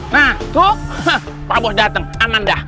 nah tuh pak bos dateng aman dah